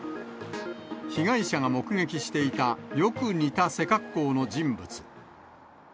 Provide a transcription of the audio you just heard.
被害者が目撃していた、よく似た背格好の人物。